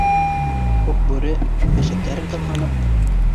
Күкбүре... көсөктәрен ҡыҙғанып...